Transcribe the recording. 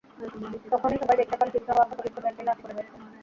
তখনই সবাই দেখতে পান পিষ্ট হওয়া ক্ষতবিক্ষত একটি লাশ পড়ে রয়েছে।